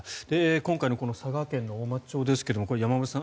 今回のこの佐賀県大町町ですが山村さん